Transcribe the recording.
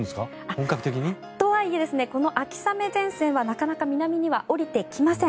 本格的に？とはいえ、この秋雨前線はなかなか南には下りてきません。